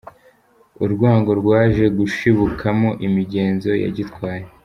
Urwango rwaje gushibukamo imigenzo ya gitwari